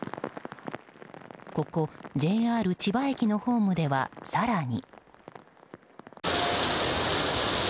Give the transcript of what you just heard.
ここＪＲ千葉駅のホームでは更に。